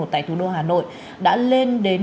tại thủ đô hà nội đã lên đến